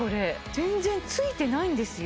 全然ついてないんですよ